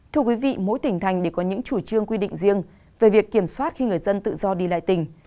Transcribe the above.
thưa quý vị mỗi tỉnh thành đều có những chủ trương quy định riêng về việc kiểm soát khi người dân tự do đi lại tỉnh